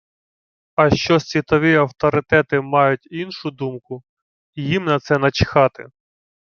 А що світові авторитети мають іншу думку – їм на це начхати